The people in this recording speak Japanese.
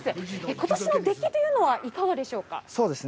ことしのできというのはいかがでしょうか。